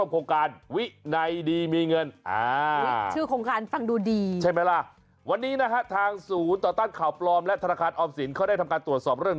มาด้วยแบบนี้โถ่